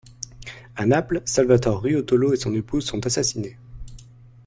À Naples, Salvatore Ruotolo et son épouse sont assassinés.